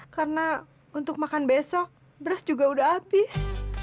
karena untuk makan besok beras juga udah habis